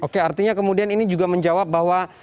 oke artinya kemudian ini juga menjawab bahwa